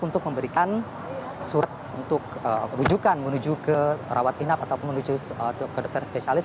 untuk memberikan surat untuk rujukan menuju ke rawat inap ataupun menuju ke dokter spesialis